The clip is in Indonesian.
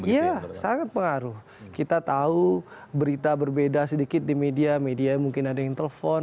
ya sangat pengaruh kita tahu berita berbeda sedikit di media media mungkin ada yang telepon